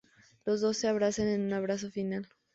Los dos se abrazan en un abrazo final.